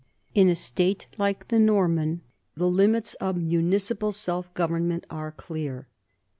In a state like the Norman the limits of municipal self government are clear.